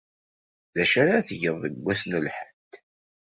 D acu ara tgeḍ deg wass n Lḥedd?